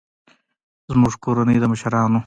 زموږ کورنۍ د مشرانو زیات درناوی او خدمت کوي